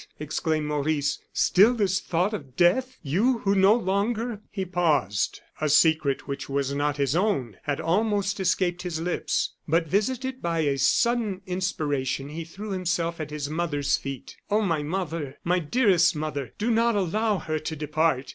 exclaimed Maurice; "still this thought of death. You, who no longer " He paused; a secret which was not his own had almost escaped his lips. But visited by a sudden inspiration, he threw himself at his mother's feet. "Oh, my mother! my dearest mother, do not allow her to depart.